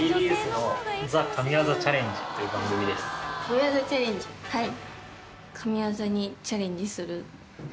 神業チャレンジはい